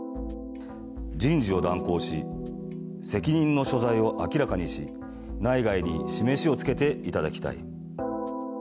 人事を断行し、責任の所在を明らかにし、内外に示しをつけていただきたい。